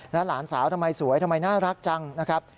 แล้วหลานสาวทำไมสวยทำไมน่ารักจังนะครับ